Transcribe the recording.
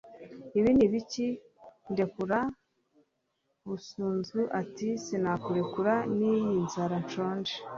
ibi ni ibiki? ... ndekura. busunzu iti sinakurekura n'iyi nzara nshonje